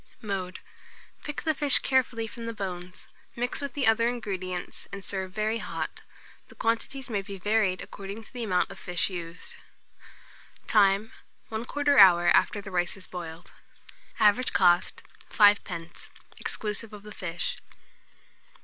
Mode. Pick the fish carefully from the bones, mix with the other ingredients, and serve very hot. The quantities may be varied according to the amount of fish used. Time. 1/4 hour after the rice is boiled. Average cost, 5d., exclusive of the fish.